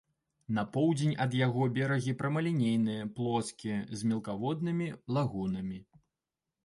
На поўдзень ад яго берагі прамалінейныя, плоскія, з мелкаводнымі лагунамі.